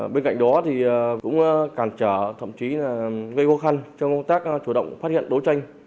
bên cạnh đó cũng cản trở thậm chí gây vô khăn cho công tác chủ động phát hiện đối tranh